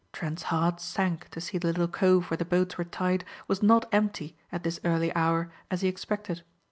Trent's heart sank to see the little cove where the boats were tied was not empty at this early hour as he expected.